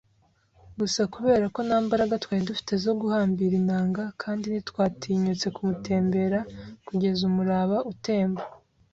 Gusa, kubera ko nta mbaraga twari dufite zo guhambira inanga kandi ntitwatinyutse kumutembera kugeza umuraba utemba